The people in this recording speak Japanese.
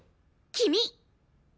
君！